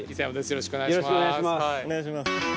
よろしくお願いします。